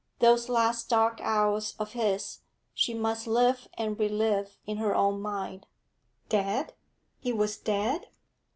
Those last dark hours of his she must live and relive in her own mind. Dead? He was dead?